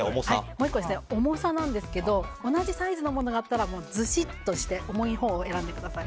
重さなんですけど同じサイズのものだったらずしっとして重いほうを選んでください。